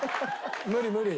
無理無理。